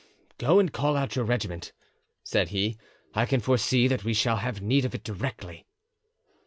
"Go and call out your regiment," said he; "I can foresee that we shall have need of it directly."